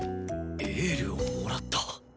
エールをもらった！